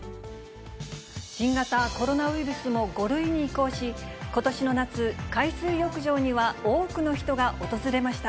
新型コロナウイルスも５類に移行し、ことしの夏、海水浴場には多くの人が訪れました。